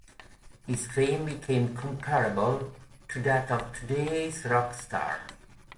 His fame became comparable to that of today's rock star.